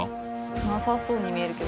なさそうに見えるけど。